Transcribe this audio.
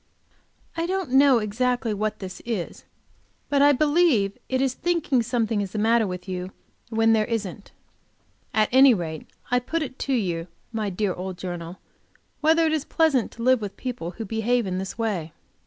I don't know exactly what this is, but I believe it is thinking something is the matter with you when there isn't. At any rate I put it to you, my dear old journal, whether it is pleasant to live with people who behave in this way?